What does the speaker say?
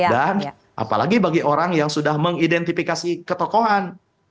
dan apalagi bagi orang yang sudah mengidentifikasi ketokohan